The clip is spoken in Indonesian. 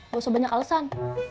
bukan sebanyak alesan